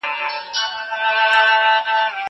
زه له سهاره ليکلي پاڼي ترتيب کوم!!